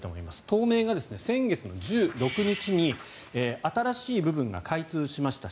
東名が先月１６日に新しい部分が開通しました